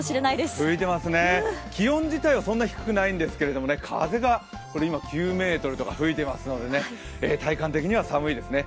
吹いていますね、気温自体はそんなに低くないんですけど風が今、９メートルとか吹いてますからね、体感的には寒いですね。